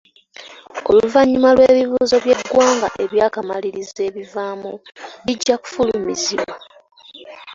Oluvannyuma lw'ebibuuzo by'eggwanga eby'akamalirizo ebivaamu bijja kufulumizibwa.